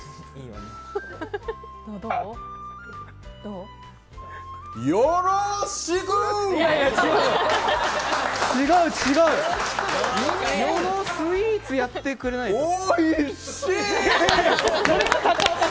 よろスイーツやってくれないと。